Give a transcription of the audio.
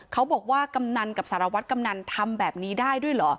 บอกว่ากำนันกับสารวัตรกำนันทำแบบนี้ได้ด้วยเหรอ